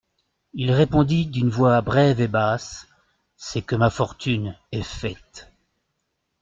Il répondit d'une voix brève et basse : C'est que ma fortune est faite.